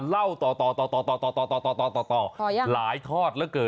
เล่าต่ออย่างหลายทอดเกิน